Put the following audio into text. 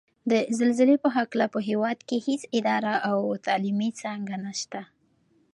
د زلزلې په هکله په هېواد کې هېڅ اداره او تعلیمي څانګه نشته ده